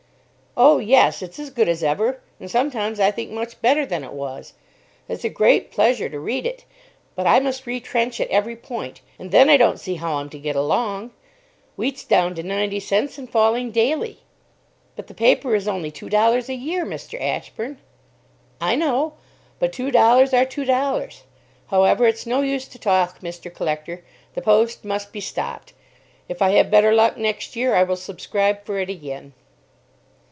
'" "Oh, yes, it's as good as ever, and sometimes I think much better than it was. It's a great pleasure to read it. But I must retrench at every point, and then I don't see how I'm to get along. Wheat's down to ninety cents, and falling daily." "But the paper is only two dollars a year, Mr. Ashburn." "I know. But two dollars are two dollars. However, it's no use to talk, Mr. Collector; the 'Post' must be stopped. If I have better luck next year, I will subscribe for it again."